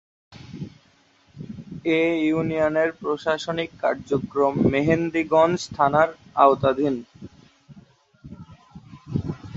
এ ইউনিয়নের প্রশাসনিক কার্যক্রম মেহেন্দিগঞ্জ থানার আওতাধীন।